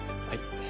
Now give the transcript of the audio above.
はい。